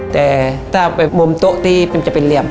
แต่ถ้าไปมุมโต๊ะตี้มันจะเป็นเหลี่ยม